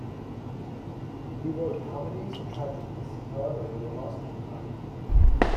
He wrote comedies and tragedies, however they were lost with time.